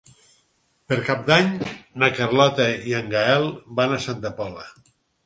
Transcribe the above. Per Cap d'Any na Carlota i en Gaël van a Santa Pola.